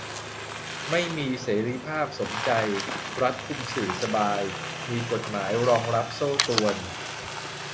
ไม่มีเสรีภาพสมใจ รัฐคุมสื่อสบาย มีกฎหมายรองรับโซ่ตรวน